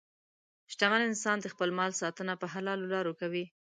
شتمن انسان د خپل مال ساتنه په حلالو لارو کوي.